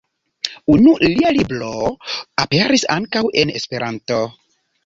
Unu lia libro aperis ankaŭ en esperanto.